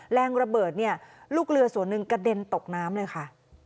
แรงระเบิดเนี่ยลูกเรือส่วนหนึ่งกระเด็นตกน้ำเลยค่ะ